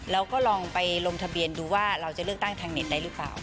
ลองไปลงทะเบียนดูว่าเราจะเลือกตั้งทางเน็ตได้หรือเปล่า